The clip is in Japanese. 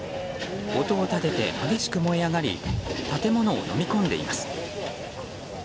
音を立てて激しく燃え上がり建物をのみ込んでいます。